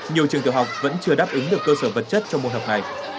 nhiều trường tiểu học vẫn chưa đáp ứng được cơ sở vật chất cho môn học này